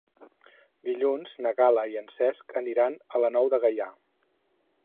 Dilluns na Gal·la i en Cesc aniran a la Nou de Gaià.